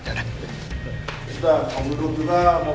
udah gak ada anak budak dulu kok